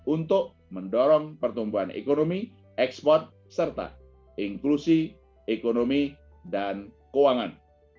untuk mendorong pertumbuhan ekonomi ekspor serta inklusi ekonomi dan keuangan